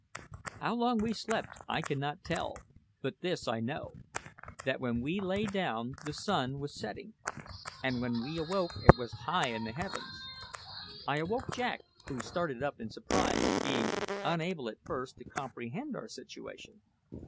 How long we slept I cannot tell; but this I know that when we lay down the sun was setting, and when we awoke it was high in the heavens. I awoke Jack, who started up in surprise, being unable at first to comprehend our situation.